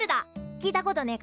聞いたことねえか？